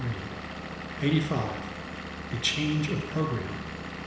CHAPTER EIGHTY FIVE. A CHANGE OF PROGRAMME.